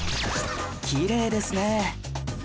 きれいですね